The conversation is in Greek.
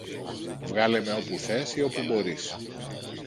Βγάλε με όπου θες ή όπου μπορείς